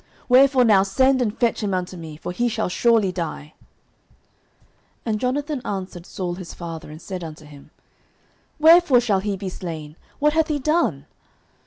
Wherefore now send and fetch him unto me, for he shall surely die. 09:020:032 And Jonathan answered Saul his father, and said unto him, Wherefore shall he be slain? what hath he done?